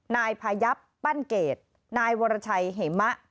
นายพายับปั้นเกรดนายวรชัยเหมะ